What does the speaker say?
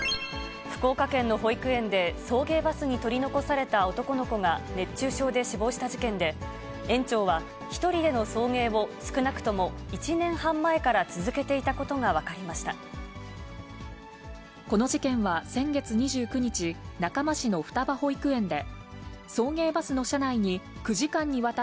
福岡県の保育園で、送迎バスに取り残された男の子が熱中症で死亡した事件で、園長は１人での送迎を少なくとも１年半前から続けていたことが分かりました。